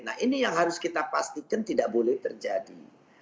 nah ini yang harus kita pastikan tidak boleh terjadi